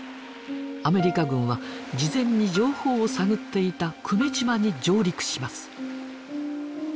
アメリカ軍は事前に情報を探っていた久米島に上陸します。